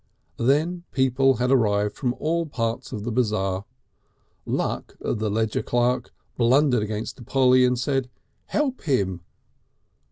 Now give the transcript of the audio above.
Then people had arrived from all parts of the Bazaar. Luck, the ledger clerk, blundered against Polly and said, "Help him!"